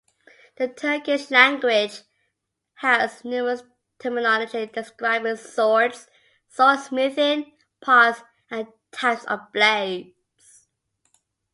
The Turkish language has numerous terminology describing swords, swordsmithing, parts and types of blades.